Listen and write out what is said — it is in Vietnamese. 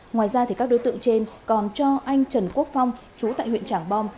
ngoài ra các đối tượng trên còn cho anh trần quốc phong chú tại huyện trảng bom